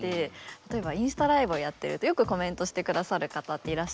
例えばインスタライブをやってるとよくコメントしてくださる方っていらっしゃるんですね。